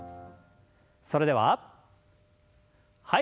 それでははい。